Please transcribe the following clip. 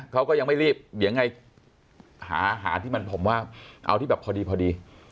เขาก็ยังไม่รีบเดี๋ยวไงหาหาที่มันผมว่าเอาที่แบบพอดีพอดี